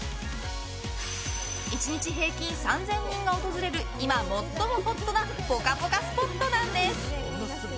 １日平均３０００人が訪れる今、最もホットなぽかぽかスポットなんです。